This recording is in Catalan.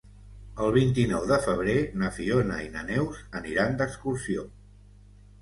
El vint-i-nou de febrer na Fiona i na Neus aniran d'excursió.